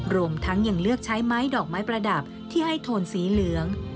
รวมทั้งยังเลือกใช้ไม้ดอกไม้ประดับที่ให้โทนสีเหลือง